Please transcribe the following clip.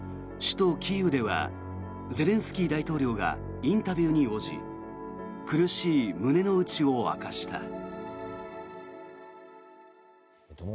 首都キーウではゼレンスキー大統領がインタビューに応じ苦しい胸の内を明かした。